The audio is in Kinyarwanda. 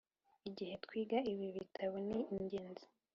igihe twiga ibi bitabo ni ingenzi